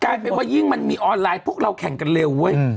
กลายเป็นว่ายิ่งมันมีออนไลน์พวกเราแข่งกันเร็วเว้ย